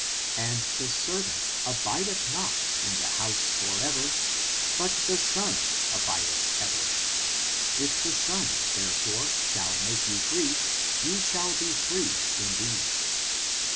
''And the servant abideth not in the house for ever, but the son abideth ever. If the son, therefore, shall make you free, ye shall be free indeed."